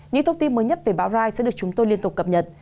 những thông tin mới nhất về bão ra sẽ được chúng tôi liên tục cập nhật